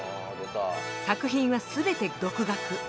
作品は全て独学。